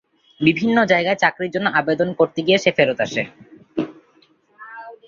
বিভিন্ন জায়গায় চাকরির জন্য আবেদন করতে গিয়ে সে ফেরত আসে।